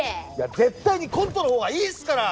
絶対にコントの方がいいですから！